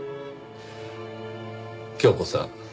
恭子さん。